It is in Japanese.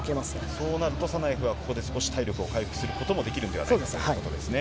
そうなると、サナエフはここで少し体力を回復することもできるんではないかというところですね。